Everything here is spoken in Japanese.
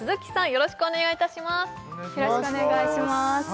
よろしくお願いします